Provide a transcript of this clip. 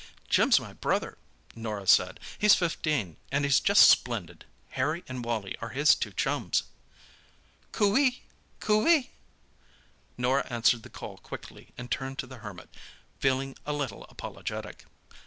"Jim's my brother," Norah said. "He's fifteen, and he's just splendid. Harry and Wally are his two chums." "Coo ee! Coo ee!" Norah answered the call quickly and turned to the Hermit, feeling a little apologetic.